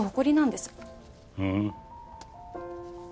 ふん。